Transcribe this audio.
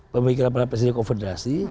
pemikiran para presiden konfederasi